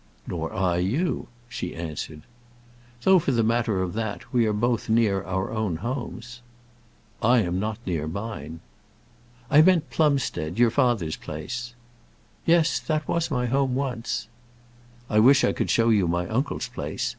"Nor I you," she answered. "Though, for the matter of that, we are both near our own homes." "I am not near mine." "I meant Plumstead; your father's place." "Yes; that was my home once." "I wish I could show you my uncle's place.